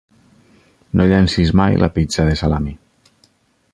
No llencis mai la pizza de salami.